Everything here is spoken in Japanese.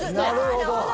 なるほど！